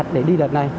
đặt để đi đợt này